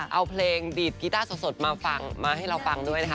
เอาเพลงดีดกีต้าสดมาฟังมาให้เราฟังด้วยนะคะ